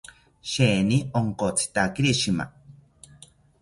Sheeni onkotzitakiri shima